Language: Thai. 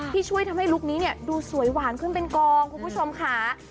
ที่ช่วยทำให้ลุคนี้เนี่ยดูสวยหวานขึ้นเป็นกองคุณผู้ชมค่ะ